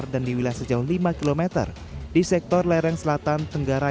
dan di wilayah sejauh lima km di sektor lereng selatan tenggara